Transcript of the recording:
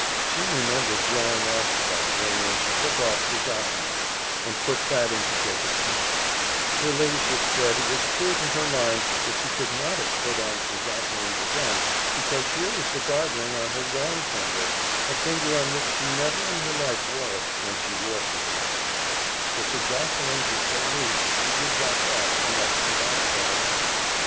She remembered drawing off the guard ring when she took off Sir Josseline's, and put that into Jacob's hands; her ladyship said it was clear to her mind that she could not have put on Sir Josseline's again, because here was the guard ring on her wrong finger a finger on which she never in her life wore it when she wore Sir Josseline's, for Sir Josseline's was so loose, it would drop off, unless she had the guard on.